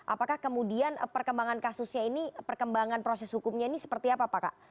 apakah kemudian perkembangan kasusnya ini perkembangan proses hukumnya ini seperti apa pak